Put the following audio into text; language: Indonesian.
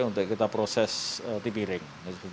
untuk kita proses tipiring